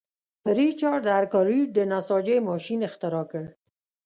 ریچارډ ارکرایټ د نساجۍ ماشین اختراع کړ.